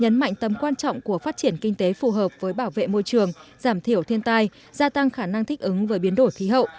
nhấn mạnh tầm quan trọng của phát triển kinh tế phù hợp với bảo vệ môi trường giảm thiểu thiên tai gia tăng khả năng thích ứng với biến đổi khí hậu